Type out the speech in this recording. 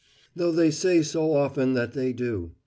... "Though they say so often that they do.